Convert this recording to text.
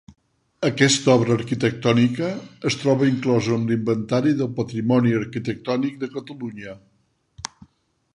Aquesta obra arquitectònica es troba inclosa en l'Inventari del Patrimoni Arquitectònic de Catalunya.